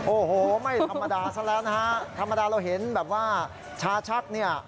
โอ้โหไม่ธรรมดาซะแล้วนะฮะธรรมดาเราเห็นแบบว่าชาชักเนี่ย